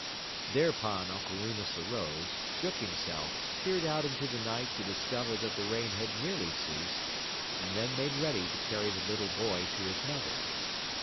Thereupon Uncle Remus arose, shook himself, peered out into the night to discover that the rain had nearly ceased, and then made ready to carry the little boy to his mother.